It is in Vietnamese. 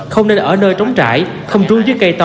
không nên ở nơi trống trải không trung với cây to